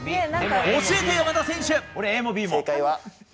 教えて山田選手！